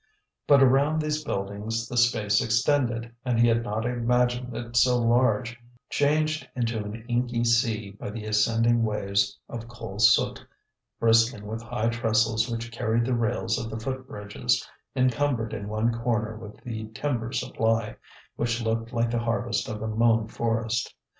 But around these buildings the space extended, and he had not imagined it so large, changed into an inky sea by the ascending waves of coal soot, bristling with high trestles which carried the rails of the foot bridges, encumbered in one corner with the timber supply, which looked like the harvest of a mown forest.